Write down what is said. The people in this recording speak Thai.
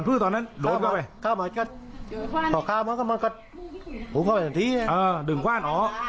เออดึงขวานอ๋อ